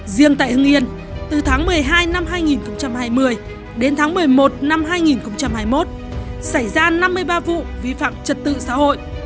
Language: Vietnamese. riêng tại hưng yên từ tháng một mươi hai năm hai nghìn hai mươi đến tháng một mươi một năm hai nghìn hai mươi một xảy ra năm mươi ba vụ vi phạm trật tự xã hội